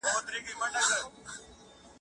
د مینې نهشو.